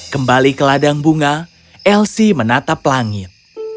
kembali ke ladang bunga elsie menatap langit